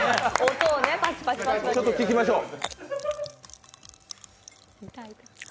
ちょっと聴きましょう。